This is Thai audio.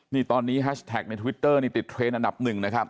นี่ตอนนี้แฮชแท็กในทวิตเตอร์นี่ติดเทรนดอันดับหนึ่งนะครับ